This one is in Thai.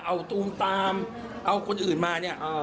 เอาตูมตามเอาคนอื่นมาเนี่ย